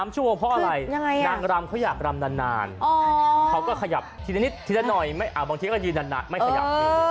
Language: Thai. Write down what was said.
๓ชั่วโมงเพราะอะไรนางรำเขาอยากรำนานเขาก็ขยับทีละนิดทีละหน่อยบางทีก็ยืนนานไม่ขยับ